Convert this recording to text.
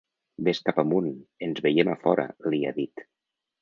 Vés cap amunt, ens veiem a fora, li ha dit.